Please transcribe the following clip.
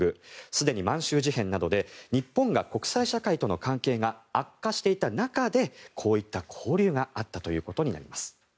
すでに満州事変などで日本が国際社会との関係が悪化していた中でこういった交流があったということになります。